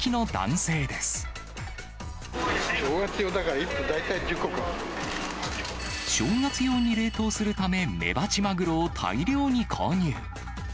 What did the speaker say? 正月用だから、正月用に冷凍するため、メバチマグロを大量に購入。